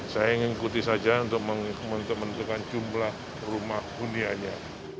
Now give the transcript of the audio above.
saya ingin ikuti saja untuk menentukan jumlah rumah hunianya